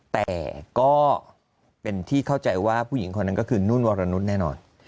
แต่ก็เป็นที่เข้าใจว่าผู้หญิงคนนั้นก็คือนุ่นวรนุษย์แน่นอน